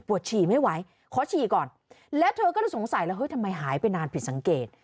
ฉี่ไม่ไหวขอฉี่ก่อนแล้วเธอก็เลยสงสัยแล้วเฮ้ยทำไมหายไปนานผิดสังเกต